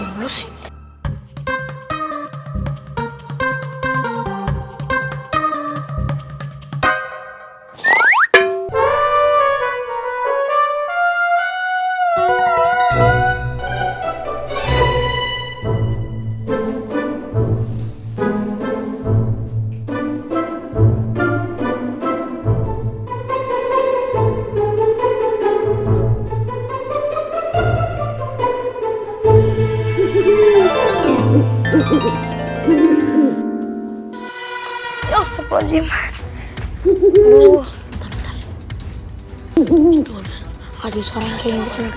assalamualaikum warahmatullahi wabarakatuh